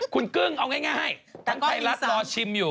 คุณกึ้งเอาง่ายทั้งไทยรัฐรอชิมอยู่